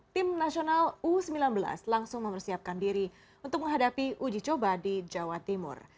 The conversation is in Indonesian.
tim nasional u sembilan belas langsung mempersiapkan diri untuk menghadapi uji coba di jawa timur